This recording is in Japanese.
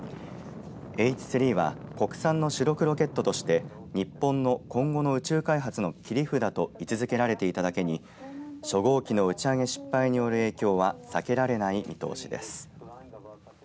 Ｈ３は国産の主力ロケットとして日本の今後の宇宙開発の切り札と位置づけられていただけに初号機の打ち上げ失敗による影響は避けられない見通しです。